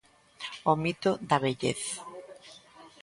O mito da vellez.